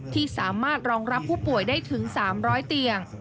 ที่สามารถรองรับผู้ป่วยได้ถึง๓๐๐เตียง